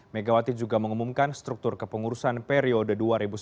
megawati juga mengumumkan struktur kepengurusan periode dua ribu sembilan belas dua ribu dua